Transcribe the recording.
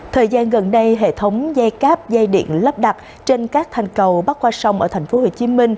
thời gian gần đây hệ thống dây cáp dây điện lắp đặt trên các thành cầu bắc qua sông ở tp hcm